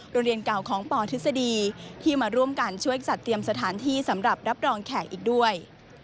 โรงเรียนเก่าของปทฤษฎีที่มาร่วมกันช่วยจัดเตรียมสถานที่สำหรับรับรองแขกอีกด้วย